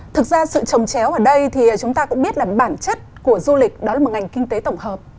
thực ra sự trồng chéo ở đây thì chúng ta cũng biết là bản chất của du lịch đó là một ngành kinh tế tổng hợp